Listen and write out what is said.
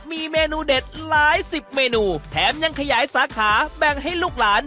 มีเมนูเด็ดหลายสิบเมนูแถมยังขยายสาขาแบ่งให้ลูกหลาน